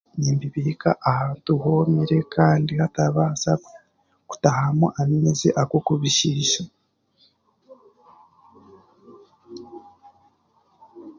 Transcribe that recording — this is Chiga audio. Nimbibiika ahantu hoomire kandi hatarabaasa kutaahamu amaizi ag'okubishiisha